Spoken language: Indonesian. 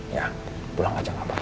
ya pulang aja gak apa apa